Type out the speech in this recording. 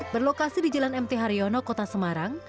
berlokasi di jalan mt haryono kota semarang